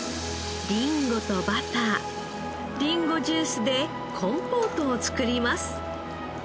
りんごとバターりんごジュースでコンポートを作ります。